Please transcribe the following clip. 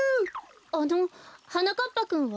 あのはなかっぱくんは？